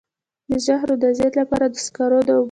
د زهرو د ضد لپاره د سکرو او اوبو ګډول وکاروئ